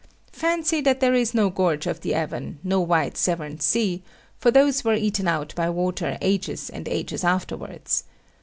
Fancy that there is no gorge of the Avon, no wide Severn sea for those were eaten out by water ages and ages afterwards.